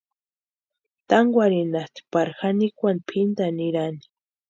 Tankwarhinhatʼi pari janikwani pʼintani nirani.